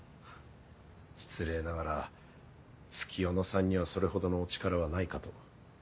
失礼ながら月夜野さんにはそれほどのお力はないかと。